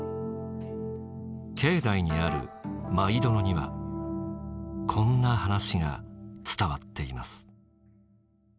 境内にある舞殿にはこんな話が伝わっています。